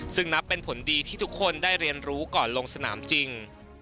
ซึ่งนับเป็นผลดีที่ทุกคนได้เรียนรู้ก่อนลงสนามจริง